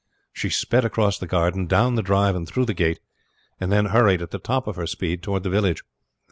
She sped cross the garden, down the drive, and through the gate, and then hurried at the top of her speed toward the village.